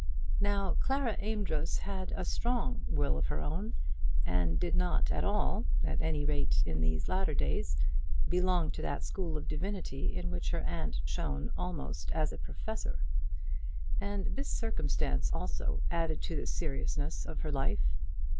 Now Clara Amedroz had a strong will of her own, and did not at all, at any rate in these latter days, belong to that school of divinity in which her aunt shone almost as a professor. And this circumstance, also, added to the seriousness of her life.